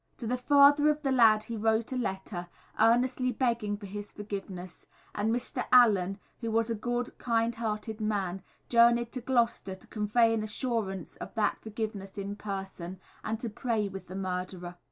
To the father of the lad he wrote a letter, earnestly begging for his forgiveness; and Mr. Allen, who was a good, kind hearted man, journeyed to Gloucester to convey an assurance of that forgiveness in person, and to pray with the murderer.